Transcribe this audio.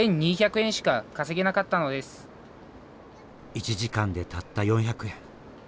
１時間でたった４００円。